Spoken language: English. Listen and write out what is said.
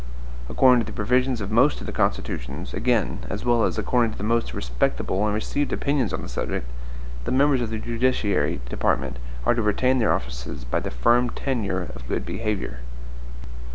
According to the provisions of most of the constitutions, again, as well as according to the most respectable and received opinions on the subject, the members of the judiciary department are to retain their offices by the firm tenure of good behavior.